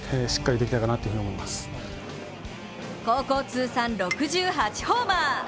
高校通算６８ホーマー。